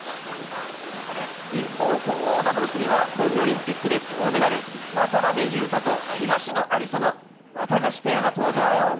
一方、混合ダブルスには、東京オリンピックで銅メダル、渡辺勇大と東野有紗のワタガシペアが登場。